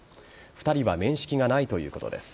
２人は面識がないということです。